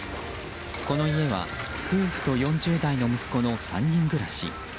この家は夫婦と４０代の息子の３人暮らし。